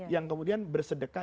yang kemudian bersedekah